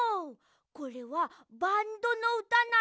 これはバンドのうたなんだ。